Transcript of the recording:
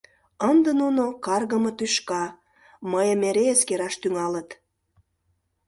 Ынде нуно, каргыме тӱшка, мыйым эре эскераш тӱҥалыт.